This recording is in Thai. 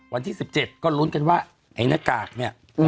วันที่สิบเจ็ดก็ลุ้นกันว่าไอ้หน้ากากเนี้ยอืม